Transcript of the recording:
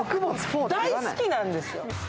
大好きなんですよ。